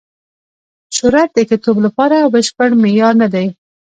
شهرت د ښه توب پوره او بشپړ معیار نه دی.